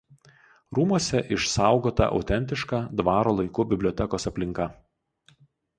Rūmuose išsaugota autentiška dvaro laikų bibliotekos aplinka.